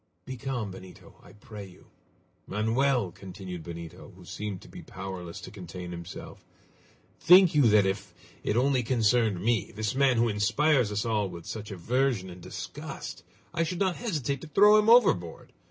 "Be calm, Benito, I pray you!" "Manoel!" continued Benito, who seemed to be powerless to contain himself, "think you that if it only concerned me this man who inspires us all with such aversion and disgust I should not hesitate to throw him overboard!